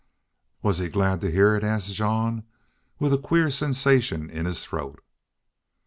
"Was he glad to hear it?" asked Jean, with a queer sensation in his throat.